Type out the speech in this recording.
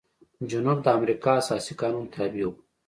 جنوب د امریکا اساسي قانون تابع و.